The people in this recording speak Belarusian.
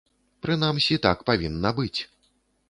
Прынамсі, так павінна быць.